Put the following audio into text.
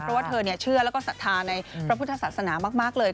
เพราะว่าเธอเชื่อแล้วก็ศรัทธาในพระพุทธศาสนามากเลย